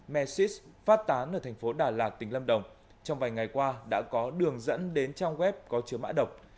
mesis phát tán ở thành phố đà lạt tỉnh lâm đồng trong vài ngày qua đã có đường dẫn đến trang web có chứa mã độc